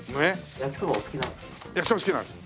焼きそば好きなんです。